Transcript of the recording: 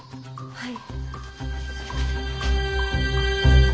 はい。